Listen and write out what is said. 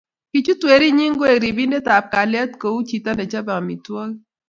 kichut werinyin koek ripindet ab kalyet kou chito ne chopei amitwokik